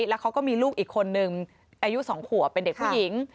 แล้วเขาก็มีลูกอีกคนนึงอายุ๒ขวบเป็นเด็กผู้หญิง